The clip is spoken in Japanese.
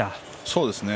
そうですね。